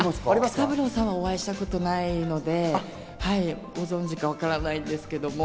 育三郎さんはお会いしたことないので、ご存知かわからないですけど。